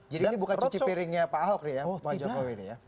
jadi ini bukan cuci piringnya pak ahok ya pak jokowi